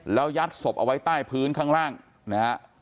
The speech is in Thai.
แล้วยัดศพเอาไว้ใต้พื้นข้างล่างนะฮะ